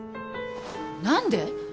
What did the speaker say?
何で？